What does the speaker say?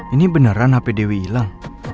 ini beneran hp dewi ilang